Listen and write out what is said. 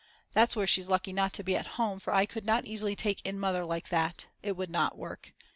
That's where she's lucky not to be at home, for I could not easily take in Mother like that. It would not work.